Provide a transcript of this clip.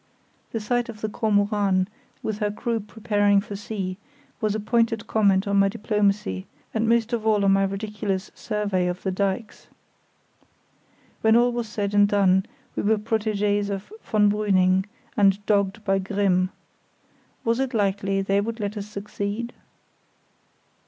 The sight of the Kormoran, with her crew preparing for sea, was a pointed comment on my diplomacy, and most of all on my ridiculous survey of the dykes. When all was said and done we were protégés of von Brüning, and dogged by Grimm. Was it likely they would let us succeed?